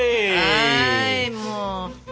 はいもう。